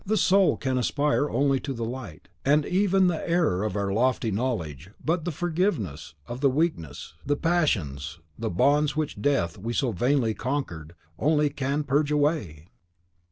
the soul can aspire only to the light; and even the error of our lofty knowledge was but the forgetfulness of the weakness, the passions, and the bonds which the death we so vainly conquered only can purge away!"